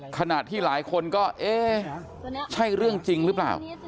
ขณะที่หลายคนก็เอ๊ะใช่เรื่องจริงหรือเปล่า